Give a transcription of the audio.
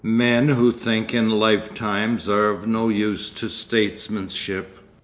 Men who think in lifetimes are of no use to statesmanship.